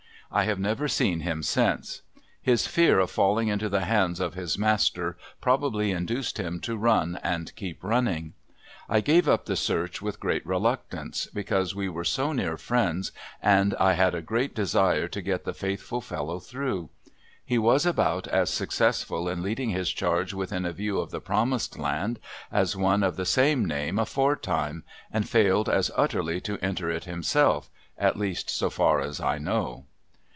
I have never seen him since. His fear of falling into the hands of his master probably induced him to run and keep running. I gave up the search with great reluctance, because we were so near friends and I had a great desire to get the faithful fellow through. He was about as successful in leading his charge within view of the promised land as one of the same name aforetime, and failed as utterly to enter it himself, at least, so far as I know.